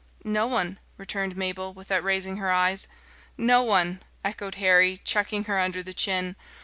"No one," returned Mabel, without raising her eyes. "No one," echoed Harry, chucking her under the chin.